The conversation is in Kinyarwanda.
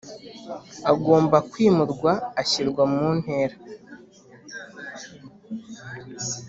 Agomba kwimurwa ashyirwa mu ntera